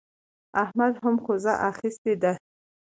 احمد هم کوزه اخيستې ده.